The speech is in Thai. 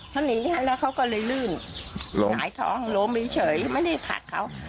เขาหนีแล้วเขาก็เลยลื่นล้มหงายท้องล้มเฉยไม่ได้ผลักเขา